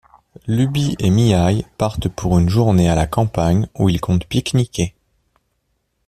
Iubi et Mihai partent pour une journée à la campagne, où ils comptent pique-niquer.